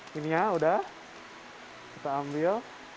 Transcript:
pertama ininya udah kita ambil